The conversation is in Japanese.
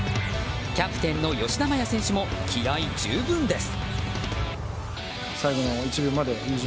キャプテンの吉田麻也選手も気合十分です。